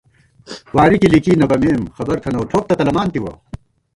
واری کی لِکی نہ بَمېم خبر تھنَؤ ٹھوک تہ تلَمانتِوَہ